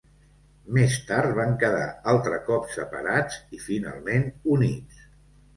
Més tard van quedar altre cop separats i finalment units.